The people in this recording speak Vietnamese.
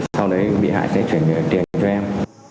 sau đấy bị hại sẽ chuyển tiền cho em